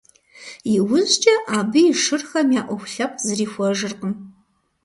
Иужькӏэ абы и шырхэм я ӏуэху лъэпкъ зрихуэжыркъым.